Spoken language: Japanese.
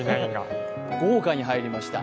豪華に入りました。